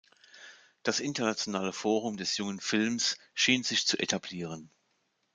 Das Internationale Forum des jungen Films schien sich zu etablieren.